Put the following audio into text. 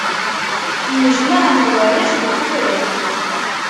Nnejmaɛen-d warrac deg ufrag.